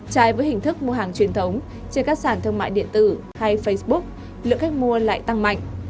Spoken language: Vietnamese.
trái với hình thức mua hàng truyền thống trên các sản thương mại điện tử hay facebook lượng khách mua lại tăng mạnh